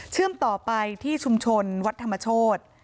เชื่อมต่อไปที่ชุมชนวัดธรรมโชษ